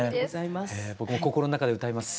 僕も心の中で歌います。